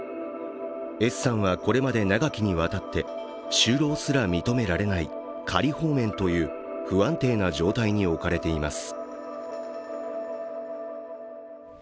Ｓさんは、これまで長きにわたって就労すら認められない仮放免という不安定な状態に置かれています。